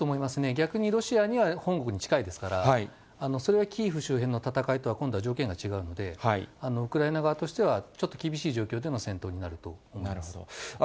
逆にロシアには本国に近いですから、それはキーウ周辺の戦いとは、今度は条件が違うので、ウクライナ側としては、ちょっと厳しい状況での戦闘になると思いますね。